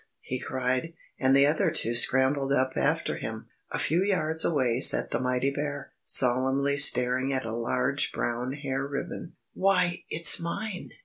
he cried, and the other two scrambled up after him. A few yards away sat the mighty bear, solemnly staring at a large brown hair ribbon. "Why, it's mine!"